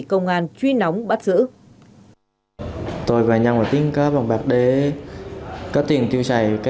công an truy nóng bắt giữ